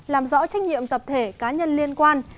làm rõ trách nhiệm tập thể cá nhân liên quan